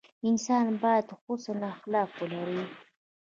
انسان باید حسن اخلاق ولري.